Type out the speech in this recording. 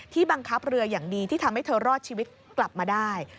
บังคับเรืออย่างดีที่ทำให้เธอรอดชีวิตกลับมาได้